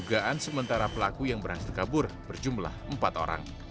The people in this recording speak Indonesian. dugaan sementara pelaku yang berhasil kabur berjumlah empat orang